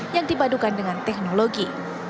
yang dibadukan dengan teknologi